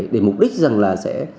để mục đích rằng là sẽ